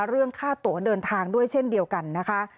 เรื่องค่าตัวเดินทางด้วยเช่นเดียวกันนะคะ